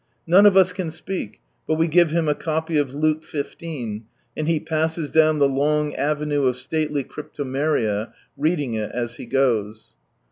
None of us can speak, but we give him a copy of Luke XV., and he passes down the long avenue of stately cryptomeria, reading it as he goes.